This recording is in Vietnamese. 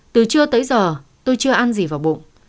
từ trưa tới giờ tôi chưa ăn gì vào bụng